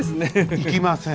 行きません。